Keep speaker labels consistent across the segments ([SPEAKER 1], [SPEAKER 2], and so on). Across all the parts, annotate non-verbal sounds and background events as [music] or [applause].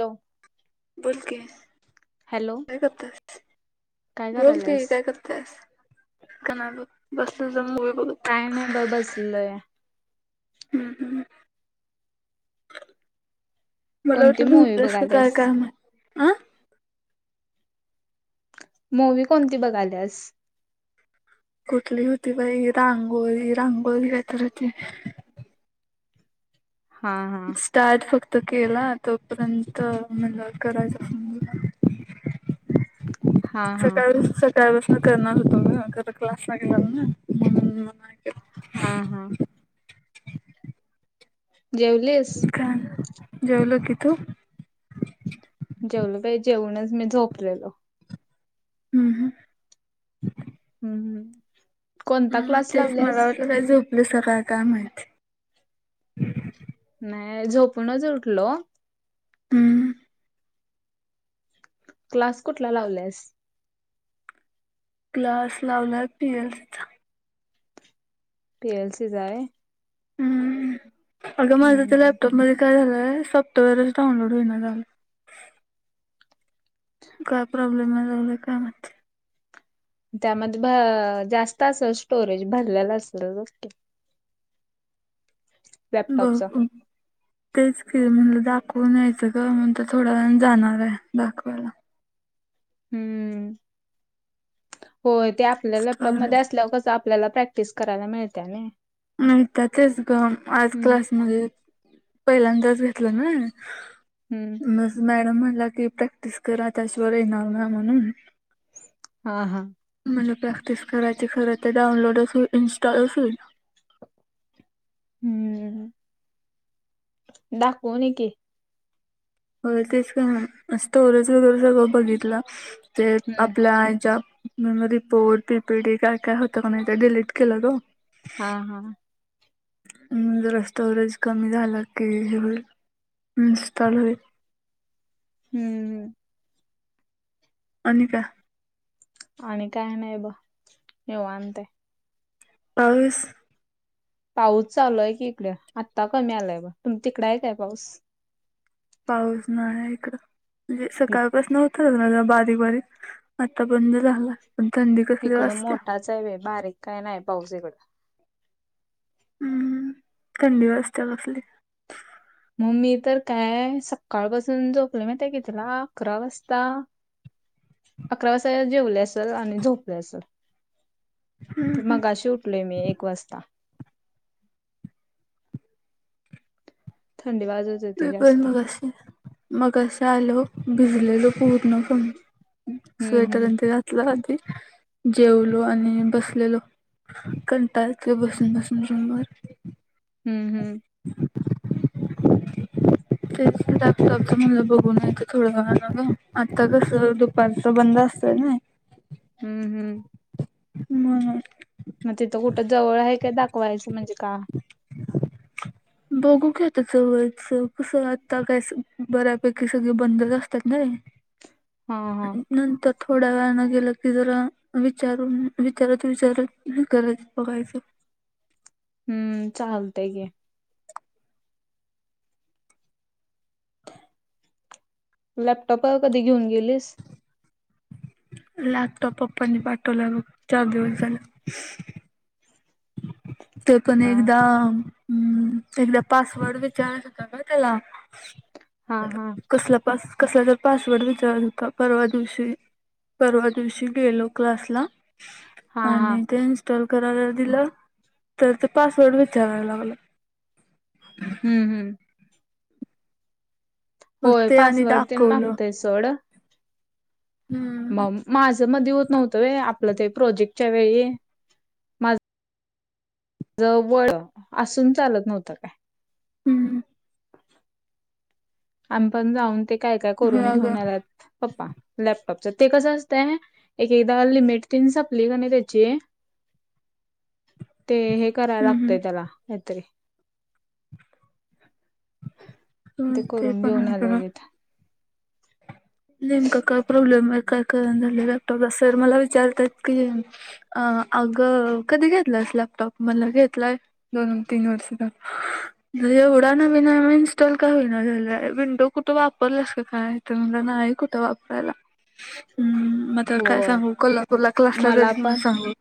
[SPEAKER 1] हो
[SPEAKER 2] बोलं की कायं करतेस.
[SPEAKER 1] काय
[SPEAKER 2] बोलं की
[SPEAKER 1] करायलास
[SPEAKER 2] कायं करतं ते. कायं नाहीं बघं बसलोय मूव्ही बघतं.
[SPEAKER 1] कायं नाहीं बां बसलोय.
[SPEAKER 2] हम्मं हम्मं मलां
[SPEAKER 1] कोणती
[SPEAKER 2] वाटलं
[SPEAKER 1] मूवी
[SPEAKER 2] झोपलेस की
[SPEAKER 1] बघायल्यास
[SPEAKER 2] कायं माहित. हं
[SPEAKER 1] मूव्ही कोणंती बघाल्यांस.
[SPEAKER 2] कुंठली होती बाई रांगोळी रांगोळी कायं तरी होती.
[SPEAKER 1] हा हा
[SPEAKER 2] स्टार्ट फक्त केला, तोपर्यंत म्हणल करायचं म्हणून.
[SPEAKER 1] हा हा
[SPEAKER 2] सकाळीच सका. त्यावेळीस करणार होतो गं. खर क्लास ला गेला ना म्हणून मग आता.
[SPEAKER 1] हा हा. जेवलीस.
[SPEAKER 2] जेवले की तू.
[SPEAKER 1] जेवले बाई जेवुणच मी झोपलेलो.
[SPEAKER 2] हम्म हम्.
[SPEAKER 1] हम् हम्
[SPEAKER 2] तेच मला वा काही झोपलं सगळ काय माहिती.
[SPEAKER 1] नाही झोपूनच उठलो.
[SPEAKER 2] हम्म.
[SPEAKER 1] क्लास कुठला लावल्यास.
[SPEAKER 2] ग्लास लावला पीएल सीचा.
[SPEAKER 1] पी एल सी जाय.
[SPEAKER 2] हम् अगं माझं तर
[SPEAKER 1] हम्म
[SPEAKER 2] लॅपटॉप मध्ये काय झालंय सॉफ्टवेअरच डाउनलोड होईना काल. काय प्रॉब्लेम नाही झाला काय म.
[SPEAKER 1] त्यामध्ये जास्त असेल स्टोरेज भरलेला असेल.
[SPEAKER 2] ब
[SPEAKER 1] लॅपटॉपचा
[SPEAKER 2] [inaudible] तेच फिल् म्हणला दाखवून यायचं ग म्हणून तर थोडा जण जाणार आहे दाखवायला.
[SPEAKER 1] हम्म हो ते आपल्या लॅपटॉपमध्ये
[SPEAKER 2] स्टोरेज
[SPEAKER 1] असल्यावर कस आपल्याला प्रॅक्टिस करायला मिळते ना.
[SPEAKER 2] नता तेच ग आज
[SPEAKER 1] हम्म
[SPEAKER 2] क्लासमध्येध्ये पहिल्यांदाच घेतलं ना.
[SPEAKER 1] हम्म.
[SPEAKER 2] मॅडम म्हणला की प्रॅक्टिस करा त्याच्यावर येणार ना म्हणून.
[SPEAKER 1] हा हा.
[SPEAKER 2] म्हला प्रॅक्टिस करायची खरं तर डाउनलोड असल इन्स्टॉल होईना.
[SPEAKER 1] दाखवणे की.
[SPEAKER 2] हो तेच का्टरच वगैरे सगळं बघितलं. ते
[SPEAKER 1] हम्म
[SPEAKER 2] आपल्या ज्या. मी म रिपोर्ट पी पी डी काय काय होतं का नाही ते डिलीट केलं ग.
[SPEAKER 1] हा हा.
[SPEAKER 2] जरा स्टोरेज कमी झालं की [unintelligible]
[SPEAKER 1] हम्म.
[SPEAKER 2] अनिता.
[SPEAKER 1] आणि काही नाही निवांत आहे.
[SPEAKER 2] पाऊस
[SPEAKER 1] पाऊस चालूय की इकडे आत्ता कमी आलाय ब तुम तिकड आहे काय पाऊस.
[SPEAKER 2] पाऊस नाहीे इकडं
[SPEAKER 1] इ-
[SPEAKER 2] सकाळपासन होत बारीक बारीक आता पण झाला थंडी कधी.
[SPEAKER 1] इकडं मोठाच आहे व बारीक काही नाही पाऊस इकडं.
[SPEAKER 2] हम्म थंडी वाजते [unintelligible]
[SPEAKER 1] मम्मी तर काय सकाळपासून झोपली माहिती किती ला अकरा वाजता. अकरा वाजता जेवली असल. आणि झोपली असल. ते मगशीे उठले मी एक वाजता. थंडी वाजत होती
[SPEAKER 2] मी पण
[SPEAKER 1] जास्त
[SPEAKER 2] मगाशी, मगाशी आलो. भिजलेलो पूर्णपणे.
[SPEAKER 1] हम्म
[SPEAKER 2] स्वेटर
[SPEAKER 1] हम्म
[SPEAKER 2] अन ते घातल आधी. जेवलो आणि बसलेलो. कंटाळा येतो बसून बसून रूम वर.
[SPEAKER 1] हम्म हम्म
[SPEAKER 2] तेच, लॅपटॉपच म्हटल बघू नाही तर थोडा वेळन. आत्ता कस दुपारच बंद असत ना.
[SPEAKER 1] हम्म हम्म
[SPEAKER 2] म्हणून
[SPEAKER 1] मग तिथ कुठ जवळ आहे काय, दाखवायच म्हणजे का
[SPEAKER 2] [inaudible] बघू की आता जवळच. कस आता काय बऱ्यापैकी सगळे बंदच असतात ना.
[SPEAKER 1] ह ह
[SPEAKER 2] नंतर थोड्या वेळान गेल की जरा विचार हम्म विचारत विचारत, हम्म करत बघायच.
[SPEAKER 1] हम्म, चालतय की. लॅपटॉप कधी घेऊन गेलीस.
[SPEAKER 2] लॅपटॉप पप्पांनी पाठवला ओ, चार दिवस झाल. ते पण
[SPEAKER 1] हा
[SPEAKER 2] एकदाम हम्म, एकदा पासवर्ड विचारयच होत का त्येला.
[SPEAKER 1] हा हा
[SPEAKER 2] कसल पास, कसला तर पासवर्ड विचारत होता. परवा दिवशी. परवा दिवशी गेलो क्लासला.
[SPEAKER 1] हा हा
[SPEAKER 2] आणि ते इन्स्टॉल करायला दिल. तर ते पासवर्ड विचारायला लागल.
[SPEAKER 1] हम्म हम्म
[SPEAKER 2] मग
[SPEAKER 1] होय,
[SPEAKER 2] ते आणि
[SPEAKER 1] पासवर्ड तेन
[SPEAKER 2] दाखवलं
[SPEAKER 1] मागतय सोड.
[SPEAKER 2] हम्म
[SPEAKER 1] मम माझ मध्ये होत नव्हत व्हय, आपल ते प्रोजेक्टच्या वेळी. माझ जवळ असून चालत नव्हत काय.
[SPEAKER 2] हम्म हम्म
[SPEAKER 1] आम्ही पण जाऊन, ते काय काय
[SPEAKER 2] हो
[SPEAKER 1] करून
[SPEAKER 2] अगं
[SPEAKER 1] घेऊन आलात. पप्पा, लॅपटॉपच ते कस असतय, एक एकदा लिमिट तीन संपली का नाही त्याची
[SPEAKER 2] [inaudible]
[SPEAKER 1] ते हे कराय
[SPEAKER 2] हम्म
[SPEAKER 1] लागतय त्याला काहीतरी.
[SPEAKER 2] हम्म, ते
[SPEAKER 1] करून
[SPEAKER 2] पण
[SPEAKER 1] घेऊन
[SPEAKER 2] आहे खर.
[SPEAKER 1] आलेलीत
[SPEAKER 2] नेमका काय प्रॉब्लेम आहे काय कळना झालय लॅपटॉपला. सर मला विचारतात की अ अग कधी घेतलायस लॅपटॉप, म्हटल घेतलाय दोन, तीन वर्ष झा एवढा नवीन आहे मग इन्स्टॉल का होईना झालाय? विंडो कुठे वापरलास का काय? तर म्हटल नाही. नाही कुठ वापरायला. हम्म, मत तर काय
[SPEAKER 1] होय
[SPEAKER 2] सांगू. कोल्हापूरला क्लासला
[SPEAKER 1] मला
[SPEAKER 2] जाते म्हणून
[SPEAKER 1] पण
[SPEAKER 2] सांगू.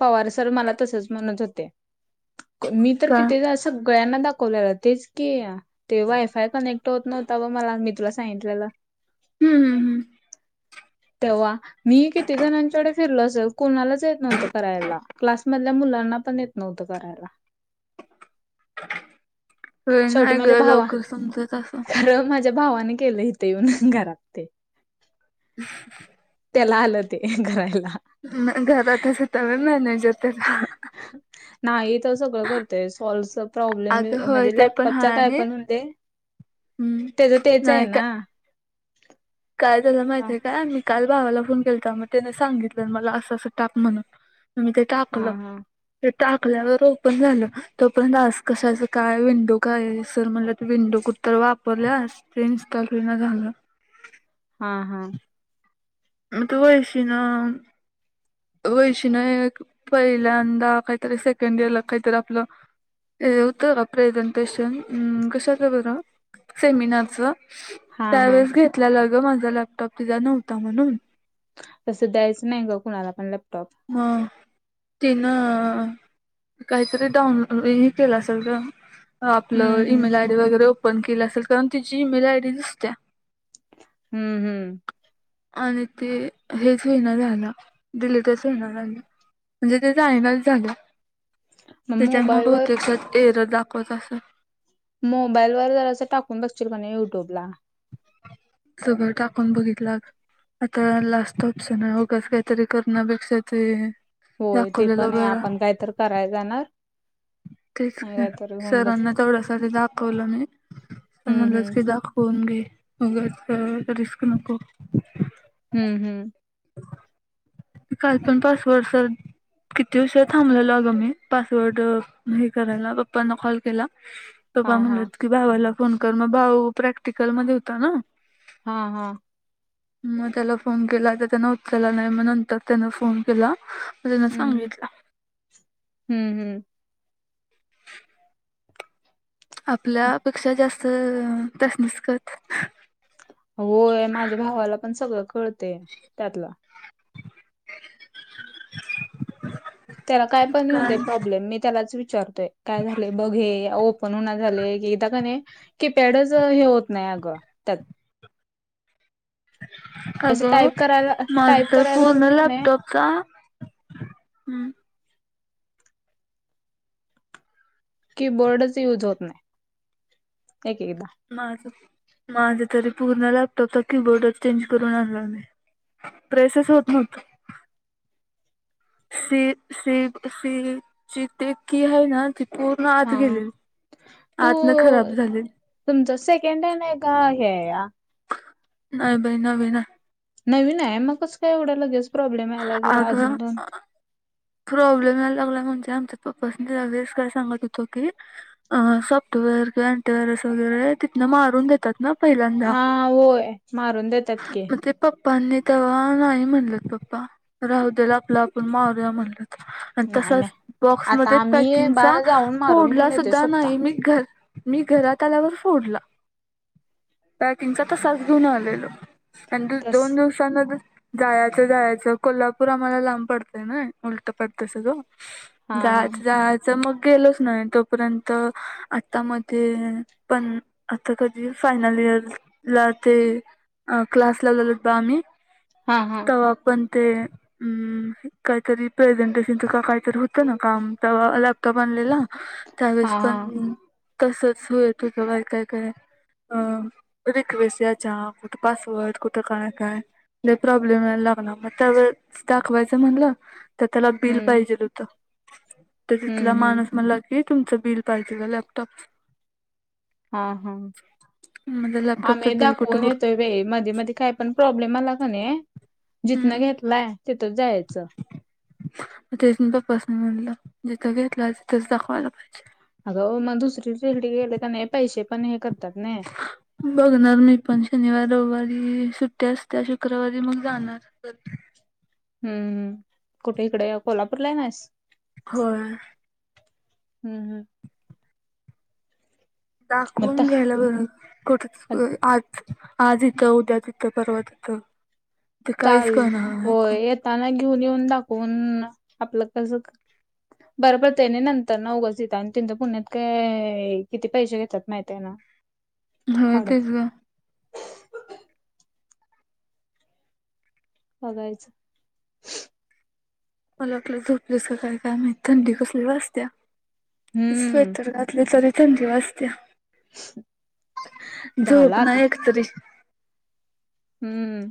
[SPEAKER 1] पवार सर मला तसच म्हणत होते. मी तर
[SPEAKER 2] का
[SPEAKER 1] कितीदा अस सगळ्यांना दाखवलेल. तेच की. ते वायफाय कनेक्ट होत नव्हता बघ. मला, मी तुला सांगितलेल.
[SPEAKER 2] हम्म हम्म हम्म
[SPEAKER 1] तेव्हा मी बी किती जणांकड फिरलं असलं, कोणालाच येत नव्हतं. करायला क्लास मधल्या मुलांना पण येत नव्हतं करायला.
[SPEAKER 2] अय
[SPEAKER 1] शेवटी
[SPEAKER 2] नाही ग लवकर समजत असंल.
[SPEAKER 1] ते भावाने केलंय हितं येऊन घरात ते.
[SPEAKER 2] [unintelligible]
[SPEAKER 1] त्याला आलं होते धरायला.
[SPEAKER 2] ना घरात असे तवे मॅनेज होते.
[SPEAKER 1] नाही तो सगळं करतोय सोल्व्हच प्रॉब्लेम
[SPEAKER 2] अगं होय
[SPEAKER 1] म्हणजे
[SPEAKER 2] ते पण
[SPEAKER 1] लॅपटॉपचा
[SPEAKER 2] हाय
[SPEAKER 1] काय
[SPEAKER 2] आणि
[SPEAKER 1] पण होऊन देन
[SPEAKER 2] [unintelligible]
[SPEAKER 1] त्याच त्याच आहे
[SPEAKER 2] नाही काय
[SPEAKER 1] ना.
[SPEAKER 2] काय झालं माहित
[SPEAKER 1] हा
[SPEAKER 2] आहे का? काल भावाला फोन केलता मग त्याने सांगितलंन मला असं-असं टाक म्हणून मी ते टाकलं.
[SPEAKER 1] हा
[SPEAKER 2] ते टाकल्यावर ओपन झालं तोपर्यंत असं कशाचं काय विंडो काय सर म्हटलं विंडो कुठं ते वापरल्यास ते इन्स्टॉल होईना झालं.
[SPEAKER 1] हां हां
[SPEAKER 2] त्या वैष्णवी न. वैष्णवी न पहिल्यांदा काहीतरी सेकंड इयरला काहीतरी आपलं ते होतं प्रेझेंटेशन अं कशाच बरं? सेमिनारच
[SPEAKER 1] हा हा
[SPEAKER 2] त्यावेळेस घेतलेला ग माझा लॅपटॉप तिचा नव्हता म्हणून.
[SPEAKER 1] तसं द्यायचं नाही ग कुणाला पण लॅपटॉप.
[SPEAKER 2] म तिनं काही तरी डाऊन हे केलं असलं ग. आपलं
[SPEAKER 1] हम्म
[SPEAKER 2] ईमेल आयडी वगैरे ओपन केलं असेल कारण तिची ईमेल आयडी दिसतेया.
[SPEAKER 1] हम्म हम्म.
[SPEAKER 2] आणि ते हेच होईना झालं डिलिटच [unintelligible] म्हणजे ते जायनाच झाल.
[SPEAKER 1] मग
[SPEAKER 2] त्याच्यामुळे
[SPEAKER 1] मोबाईलवर
[SPEAKER 2] बहुतेक एरर दाखवत असन.
[SPEAKER 1] मोबाईल वर जरा स टाकून बघशील का नाही युट्यूब ला.
[SPEAKER 2] सगळं टाकून बघितल. आता लास्ट ऑप्शन आहे उगाच काहीतरी करण्यापेक्षा ते.
[SPEAKER 1] होय ते
[SPEAKER 2] दाखवलेलं
[SPEAKER 1] पण आहे
[SPEAKER 2] बरं
[SPEAKER 1] आपण काय तर करायला जाणार.
[SPEAKER 2] तेच
[SPEAKER 1] आणि
[SPEAKER 2] की
[SPEAKER 1] कायतरी होऊन
[SPEAKER 2] सरांना
[SPEAKER 1] बसत
[SPEAKER 2] तेवढ्या साठी दाखवलं नाही सर
[SPEAKER 1] हम्म
[SPEAKER 2] म्हणलच
[SPEAKER 1] हम्म
[SPEAKER 2] की दाखव फोन घे उगाच का रिस्क नको.
[SPEAKER 1] हम्म हम्म.
[SPEAKER 2] काही पण पासवर्ड सांग. किती उशीर थांबलेलो अगं मी पासवर्ड नाही करायला पप्पाना कॉल केला.
[SPEAKER 1] हा
[SPEAKER 2] पप्पा
[SPEAKER 1] हा
[SPEAKER 2] म्हणलंत की भावाला फोन कर मग भाऊ प्रॅक्टिकलमध्ये होता ना.
[SPEAKER 1] हा-हा.
[SPEAKER 2] मग त्याला फोन केला तर त्यान उतरला नाही मग नंतर त्यान फोन केला. त्यान सांगितलं.
[SPEAKER 1] हम्म-हम्म.
[SPEAKER 2] आपल्या पेक्षा जास्त त्यासनीस कळतं.
[SPEAKER 1] होय माझ्या भावाला पण सगळ कळतंय त्यातलं. त्याला काय पण येऊ दे प्रॉब्लेम मी त्यालाच विचारतोय काय झालेय बघ हे. हे ओपन होईना झालय एकेकदा नाही कीपॅडच हे होत नाही अगं त्यात तसं
[SPEAKER 2] अगं
[SPEAKER 1] टाईप करायला
[SPEAKER 2] माझ
[SPEAKER 1] टाईप करायला लागलं
[SPEAKER 2] पूर्ण
[SPEAKER 1] का नाही
[SPEAKER 2] लॅपटॉपचा
[SPEAKER 1] कीबोर्डच युज होत नाही एकेकदा
[SPEAKER 2] माझं माझं तरी पूर्ण लॅपटॉपचा कीबोर्डच चेंज करून आणला मी प्रेसेच होत नव्हत शिफ्ट शिफ्ट शिफ्ट जित की आहे ना ति पूर्ण आत
[SPEAKER 1] हा.
[SPEAKER 2] गेलेली
[SPEAKER 1] तू
[SPEAKER 2] आतन खराब झाली
[SPEAKER 1] तुमचं सेकंड हँड आहे का हे आहे या
[SPEAKER 2] नाही बाई नवीन हाय
[SPEAKER 1] नवीन आहे मग कस काय एवढ्या लगेच प्रॉब्लेम यायलाय खरं
[SPEAKER 2] अगं
[SPEAKER 1] अजून दोन
[SPEAKER 2] प्रॉब्लेम यायला लागलाय म्हणजे आमच्या पप्पाासनि लगेच काय सांगत होतो की अ सॉफ्टवेेअर एंटी वायरस वगैरे तीतन मा लोन देतात ना पहिल्यांदा
[SPEAKER 1] हा होय मारून देतात की
[SPEAKER 2] म ते पप्पांनी तवा नाही म्हणलंत पप्पा राहू देल आपलं आपण मारूया म्हणल आणि
[SPEAKER 1] नाही
[SPEAKER 2] तसाच
[SPEAKER 1] नाही. आता
[SPEAKER 2] बॉक्समध्येध्ये
[SPEAKER 1] आम्ही
[SPEAKER 2] पॅकिंगचा
[SPEAKER 1] बाळ जाऊन मारून
[SPEAKER 2] फोडला
[SPEAKER 1] घेऊन येतोय
[SPEAKER 2] सुद्धा
[SPEAKER 1] स्वतः
[SPEAKER 2] नाही मी घर मी घरात आल्यावर फोडला पॅकिंगचा तसाच घेऊन आलेलो आणि दु
[SPEAKER 1] तस
[SPEAKER 2] दोन दिवसांना जायचं जायचं कोल्हापूर आम्हाला लांब पडतय ना उलटं पडतय सगळ
[SPEAKER 1] हा हा.
[SPEAKER 2] जायाचं जायाचं च मग गेलोच नाही तोपर्यंत आता मते पण आता कधी फायनल इयर ला ते अ क्लास लावलेलीत बघ आम्ही
[SPEAKER 1] हा हा
[SPEAKER 2] तवा पण ते हू कायतरी प्रेझेंटेशनच का कायतरी होत ना काम तवा लॅपटॉप आणलेला त्यावेेळेस
[SPEAKER 1] हा हा
[SPEAKER 2] पण तसच होयत होत काय काय काय अ रिक्वेस्ट याच्या कुठ पासवर्ड कुठ काय काय लई प्रॉब्लेम यायला लागला मग त्यावेळेस दाखवायच म्हणल तर त्याला बिल
[SPEAKER 1] हम्म
[SPEAKER 2] पाहिजेल होत तर
[SPEAKER 1] हम्म
[SPEAKER 2] तिथला
[SPEAKER 1] हम्म
[SPEAKER 2] माणूस म्हणला कि तुमच बिल पाहिजेल आहे लॅपटॉप
[SPEAKER 1] हा हा
[SPEAKER 2] माझं लॅपटॉपचं
[SPEAKER 1] आम्ही
[SPEAKER 2] बिल कुठं
[SPEAKER 1] दाखवून
[SPEAKER 2] हुडक
[SPEAKER 1] येतोय मध्ये मध्ये काय पण प्रॉब्लेम आला कणी जिथन घेतलाय तिथच जायच
[SPEAKER 2] म तेच मी पप्पासनी म्हणल जिथ घेतलाय तिथच दाखवायला पाहिजे
[SPEAKER 1] अग अ मग दुसरी तिकडे गेले का नायी पैसे पण हे करतात नायी
[SPEAKER 2] बघणार मी पण शनिवार रविवारी सुट्टी असत्या शुक्रवारी मग जाणार [unintelligible]
[SPEAKER 1] हू कुठे इकडे कोल्हापूरला येणार आहेस
[SPEAKER 2] होय
[SPEAKER 1] हू हू मग त
[SPEAKER 2] दाखवून घ्यायला बर कुठ अ आज आज इथ उदया तिथ परवा तिथ ते काहीच कळणार नाही कोण
[SPEAKER 1] त्याना घेऊन येऊन दाखवून आपल कस बर पडतय आणि नंततरन उगच तिथ आणि तिथ पुण्यात काय किती पैसे घेत्यात माहितये ना
[SPEAKER 2] होय तेच
[SPEAKER 1] फाडच
[SPEAKER 2] ग
[SPEAKER 1] बघायच
[SPEAKER 2] मला वाटल झोपल्याच की काय माइत थंडी कसली वाजत्या स्वे
[SPEAKER 1] हम्म
[SPEAKER 2] [unintelligible] तरी थंडी वाजतेया
[SPEAKER 1] झालं
[SPEAKER 2] झोप
[SPEAKER 1] आता
[SPEAKER 2] नाय येत कधी
[SPEAKER 1] हम्म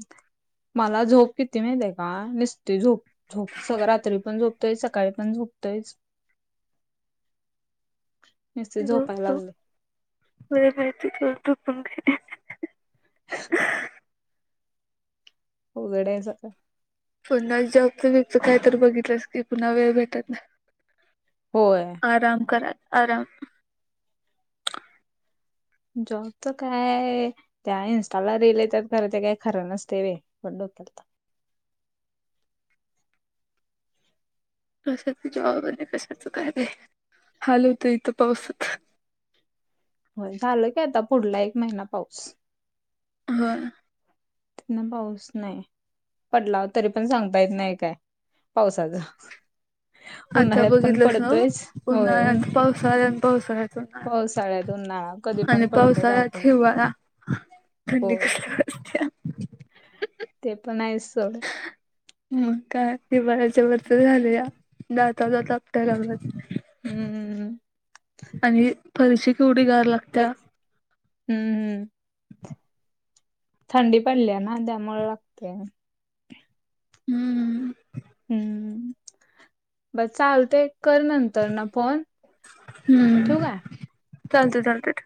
[SPEAKER 1] मला झोप किती मायती का निसती झोप झोप सगळ रात्री पण झोपतयच सकाळी पण झोपतयच
[SPEAKER 2] [inaudible]
[SPEAKER 1] नुसती झोपायला लागलोय
[SPEAKER 2] [unintelligible]
[SPEAKER 1] [inaudible] अवघड हाय बा
[SPEAKER 2] पुन्हा जॉबच बिब च काय तर बघितलस की पुन्हा वेळ भेटत नाय
[SPEAKER 1] होय
[SPEAKER 2] आराम करा आराम
[SPEAKER 1] जॉबच काय त्या इन्स्टाला रीलल येतात खर ते काही खर नसते वय पण डोक्यात ताप
[SPEAKER 2] कशाच जॉब अन कशाच काय बय हाल होतय इथ पाऊसच
[SPEAKER 1] होय झाल की आता पुढला एक महिना पाऊस
[SPEAKER 2] व्हय
[SPEAKER 1] न पाऊस नयी पडला तरी पण सांगता येत नायी काय पावसाच
[SPEAKER 2] [inaudible] आता बघितलस नाव
[SPEAKER 1] होय उन
[SPEAKER 2] उन्हाळ्याचा, पावसाळा आणि पावसाळ्यात,
[SPEAKER 1] पावसाळ्यात कधी
[SPEAKER 2] उन्हाळा आणि
[SPEAKER 1] पण पडतय
[SPEAKER 2] पावसाळा
[SPEAKER 1] काय पण होतय
[SPEAKER 2] हिवाळा थंडी
[SPEAKER 1] होय
[SPEAKER 2] कसली वाजतीया
[SPEAKER 1] ते पण हायच सोड
[SPEAKER 2] मग काय हिवाळ्याच वरच झालया दाता दात आपटाय लागलेत
[SPEAKER 1] हम्म
[SPEAKER 2] आणि फरशी केवढी गार लागत
[SPEAKER 1] बच हम्म थंडी पडलीया ना त्यामुळे लागतय
[SPEAKER 2] हम्म
[SPEAKER 1] हम्म बरं चालतंय कर नंत ठेवू
[SPEAKER 2] हम्म
[SPEAKER 1] काय
[SPEAKER 2] चालतंय, चालतंय